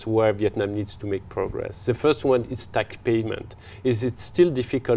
việc việt nam không phát triển